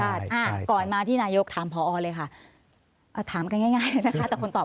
ค่ะค่ะก่อนมาที่นายกถามผอเลยค่ะถามกันง่ายนะคะแต่คนตาบ